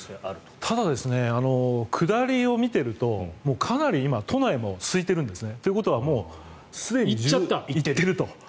ただ下りを見てるとかなり今、都内もすいてるんですということはすでに行っていると。